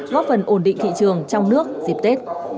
góp phần ổn định thị trường trong nước dịp tết